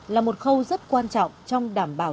là một khâu rất quan trọng trong đảm bảo